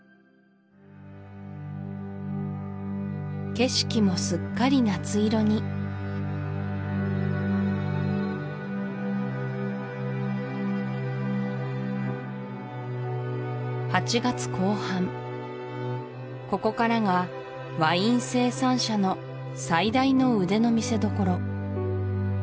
景色もすっかり夏色にここからがワイン生産者の最大の腕の見せどころ